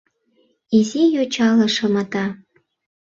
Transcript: Изи йочала шымата.